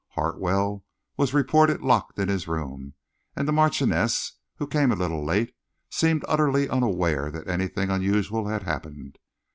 Hartwell was reported locked in his room, and the Marchioness, who came a little late, seemed utterly unaware that anything unusual had happened.